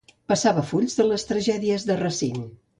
Passava fulls de les tragèdies de Racine.